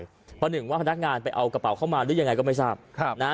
เพราะหนึ่งว่าพนักงานไปเอากระเป๋าเข้ามาหรือยังไงก็ไม่ทราบครับนะฮะ